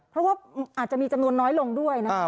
เพราะว่าอาจจะมีจังงลงน้อยลงด้วยนะ